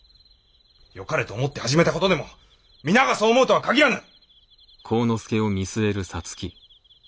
よかれと思って始めた事でも皆がそう思うとは限らぬ！